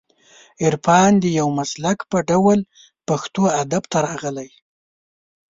عرفان د یو مسلک په ډول پښتو ادب ته راغلی